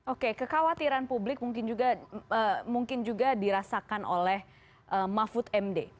oke kekhawatiran publik mungkin juga dirasakan oleh mahfud md